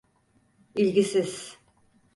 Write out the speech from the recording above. İlgisiz…